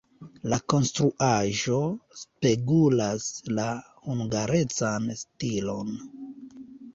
La konstruaĵo spegulas la hungarecan stilon.